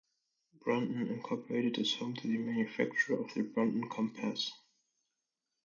Brunton, Incorporated is home to the manufacturer of the Brunton compass.